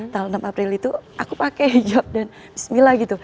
tahun enam april itu aku pakai job dan bismillah gitu